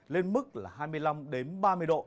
lên mức là hai mươi năm ba mươi độ